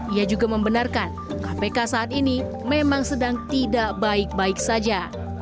ia juga membenarkan kpk saat ini memang sedang tidak baik baik saja